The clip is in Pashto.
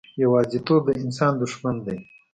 یوازیتوب د انسان دښمن دی.